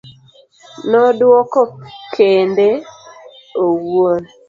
nodwoko kende owuon